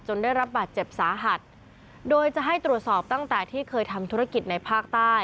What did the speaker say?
ได้รับบาดเจ็บสาหัสโดยจะให้ตรวจสอบตั้งแต่ที่เคยทำธุรกิจในภาคใต้